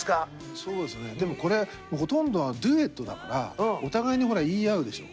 そうですねでもこれほとんどはデュエットだからお互いにほら言い合うでしょ。